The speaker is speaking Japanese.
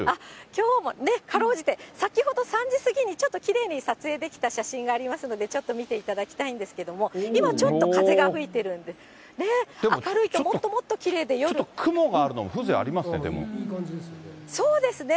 きょうも辛うじて、先ほど３時過ぎにちょっときれいに撮影できた写真がありますので、ちょっと見ていただきたいんですけれども、今ちょっと、風が吹いてるんで、明るいともっともっときれいちょっと雲があるのも風情あそうですね。